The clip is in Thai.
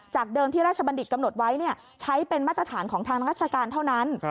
เดิมที่ราชบัณฑิตกำหนดไว้ใช้เป็นมาตรฐานของทางราชการเท่านั้น